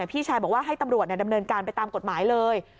พี่ชายบอกว่าให้ตำรวจดำเนินการไปตามกฎหมายเลย